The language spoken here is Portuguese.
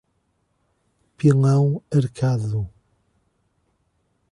Pilão Arcado